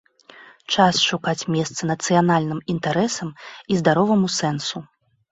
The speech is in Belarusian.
Час шукаць месца нацыянальным інтарэсам і здароваму сэнсу.